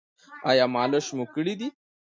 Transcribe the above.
ایا مالش مو کړی دی؟